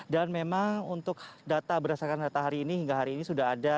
dan memang untuk data berdasarkan data hari ini hingga hari ini sudah ada